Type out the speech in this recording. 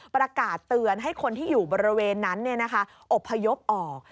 ประกาศเตือนให้คนที่อยู่บริเวณนั้นอบพยพออก